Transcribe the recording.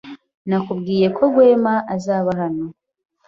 Nakubwiye ko Rwema azaba hano.